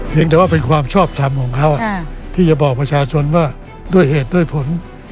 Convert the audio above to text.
ยังแต่ว่าเป็นความชอบทำของเขาที่จะบอกประชาชนว่าด้วยเหตุด้วยผล